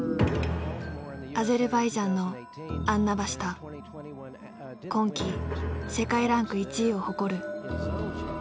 アゼルバイジャンの今季世界ランク１位を誇る。